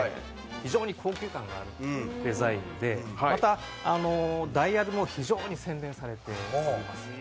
非常に高級感のあるデザインでまた、ダイヤルも非常に洗練されています。